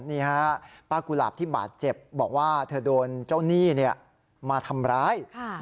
นี่ฮะป้ากุหลาบที่บาดเจ็บบอกว่าเธอโดนเจ้าหนี้มาทำร้าย